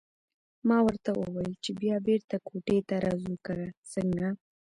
ما ورته وویل چې بیا بېرته کوټې ته راځو که څنګه.